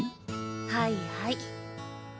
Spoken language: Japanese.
はいはい。